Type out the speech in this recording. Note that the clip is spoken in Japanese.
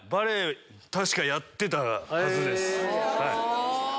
確かやってたはずです。